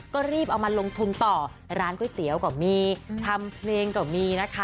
ก็รีบเอามาลงทุนต่อร้านก๋วยเตี๋ยวก็มีทำเพลงก็มีนะคะ